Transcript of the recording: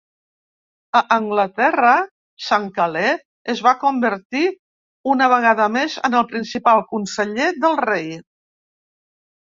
A Anglaterra, St-Calais es va convertir una vegada més en el principal conseller del rei.